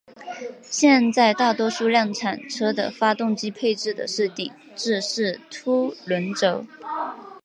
现在大多数量产车的发动机配备的是顶置式凸轮轴。